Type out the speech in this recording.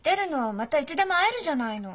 またいつでも会えるじゃないの。